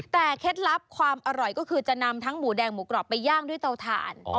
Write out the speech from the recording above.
แต่เคล็ดลับความอร่อยก็คือจะนำทั้งหมูแดงหมูกรอบไปย่างด้วยเตาถ่าน